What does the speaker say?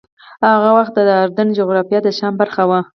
هغه وخت د اردن جغرافیه د شام برخه وه.